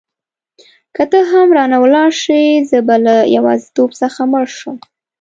که ته هم رانه ولاړه شې زه به له یوازیتوب څخه مړ شم.